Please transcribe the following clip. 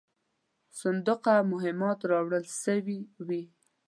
صندوقه مهمات راوړل سوي وې.